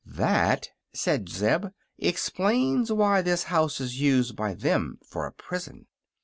"That," said Zeb, "explains why this house is used by them for a prison.